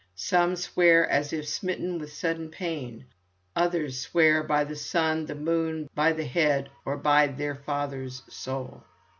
Some swear as if smitten with sudden pain. Others swear by the sun, the moon, by the head, or by their father's soul."